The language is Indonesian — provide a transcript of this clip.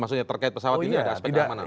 maksudnya terkait pesawat ini ada aspek keamanan